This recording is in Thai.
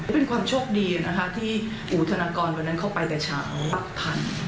เป็นความโชคดีนะครับที่อูธนกรวันนั้นเข้าไปแต่เช้า